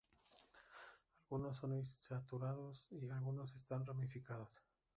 Algunos son insaturados y algunos están ramificados.